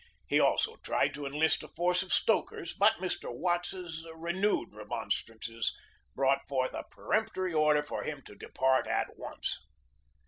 He also tried to enlist a force of stokers, but Mr. Watts's renewed remonstrances brought forth a peremptory order for him to depart at once.